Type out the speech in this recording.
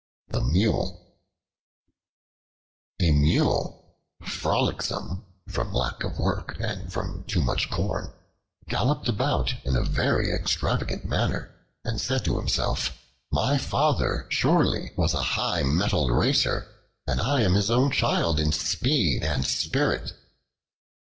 The Mule A MULE, frolicsome from lack of work and from too much corn, galloped about in a very extravagant manner, and said to himself: "My father surely was a high mettled racer, and I am his own child in speed and spirit."